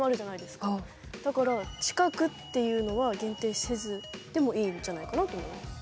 だから近くっていうのは限定せずでもいいんじゃないかなと思います。